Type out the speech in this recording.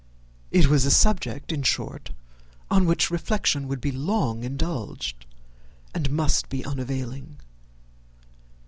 It was a subject, in short, on which reflection would be long indulged, and must be unavailing.